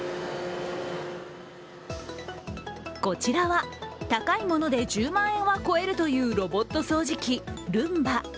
こちらは、高いもので１０万円は超えるというロボット掃除機・ルンバ。